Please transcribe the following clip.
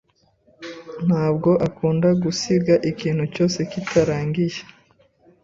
Ntabwo akunda gusiga ikintu cyose kitarangiye.